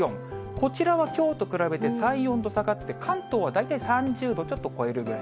こちらはきょうと比べて３、４度下がって、関東は大体３０度ちょっと超えるくらい。